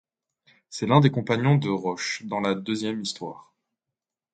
C’est l’un des compagnons de Roch dans la deuxième histoire.